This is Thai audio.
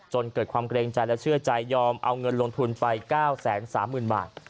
จนเกิดความเกรงใจและเชื่อใจยอมเอาเงินลงทุนไป๙๓๐๐๐บาท